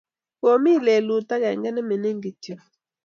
Komie lelut agenge ne mining kityo